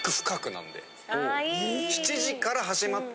７時から始まって。